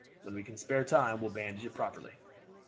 When we can spare time we will bandage it properly."